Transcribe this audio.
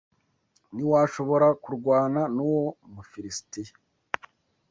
ntiwashobora kurwana n’uwo Mufilisitiya